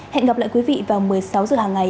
hẹn gặp lại quý vị vào một mươi sáu h hàng ngày